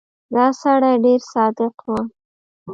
دا سړی ډېر صادق و.